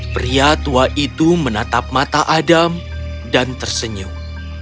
pria tua itu menatap mata adam dan tersenyum